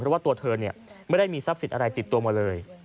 เพราะว่าตัวเธอไม่ได้มีทรัพย์สินอะไรติดตัวมาเลย